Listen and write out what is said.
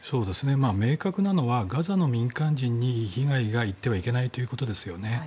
明確なのはガザの民間人に被害がいってはいけないということですよね。